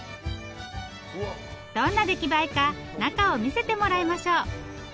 どんな出来栄えか中を見せてもらいましょう。